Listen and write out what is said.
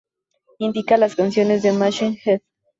Indica las canciones de Machine Head.